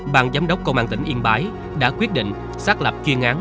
bàn giám đốc công an tỉnh yên bái đã quyết định xác lập chuyên án